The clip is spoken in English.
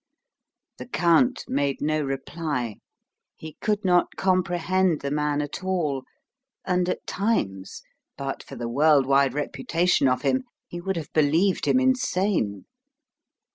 The Count made no reply. He could not comprehend the man at all, and at times but for the world wide reputation of him he would have believed him insane.